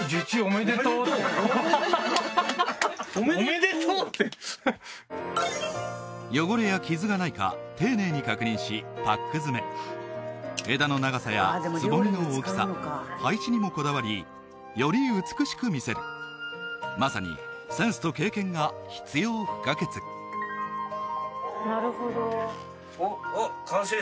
おめでとうおめでとうって汚れや傷がないか丁寧に確認しパック詰め枝の長さやつぼみの大きさ配置にもこだわりより美しく見せるまさにセンスと経験が必要不可欠おっ完成っすか？